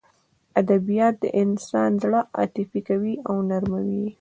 ادبیات د انسان زړه عاطفي کوي او نرموي یې